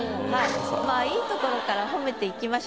まぁいいところから褒めていきましょう。